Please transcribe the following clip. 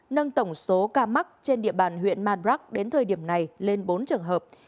nâng tổng số ca mắc trên địa bàn huyện madrak đến thời điểm này lên bốn trường hợp